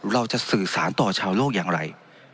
เราจะสื่อสารต่อชาวโลกอย่างไร